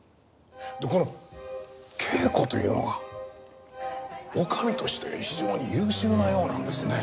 でこの啓子というのが女将として非常に優秀なようなんですね。